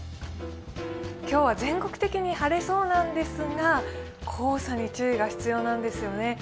今日は全国的に晴れそうなんですが、黄砂に注意が必要なんですよね。